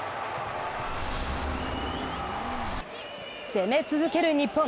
攻め続ける日本。